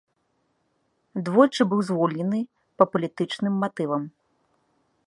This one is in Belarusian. Двойчы быў звольнены па палітычным матывам.